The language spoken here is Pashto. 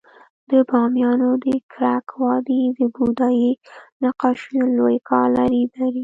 د بامیانو د ککرک وادی د بودایي نقاشیو لوی ګالري لري